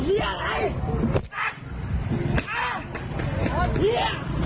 เหี้ยอะไรอ๊ะอ๊ะเหี้ย